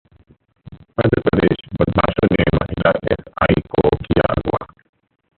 मध्य प्रदेशः बदमाशों ने महिला एसआई को किया अगवा